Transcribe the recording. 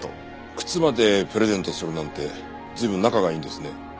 靴までプレゼントするなんて随分仲がいいんですね。